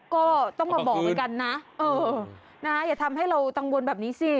ก็ต้องมาบอกเหมือนกันนะอย่าทำให้เรากังวลแบบนี้สิ